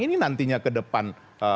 ini nantinya ke depan